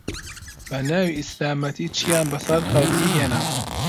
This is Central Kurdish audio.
بەناوی ئیسلامەتی چیان بەسەر خەڵکی هێنا